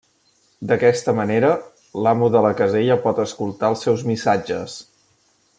D'aquesta manera, l'amo de la casella pot escoltar els seus missatges.